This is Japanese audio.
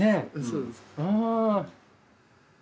そうです。